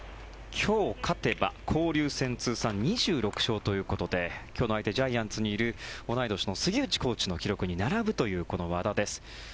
今日勝てば交流戦通算２６勝ということで今日の相手、ジャイアンツにいる同い年の杉内コーチの記録に並ぶという和田です。